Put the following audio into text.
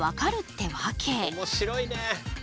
面白いね。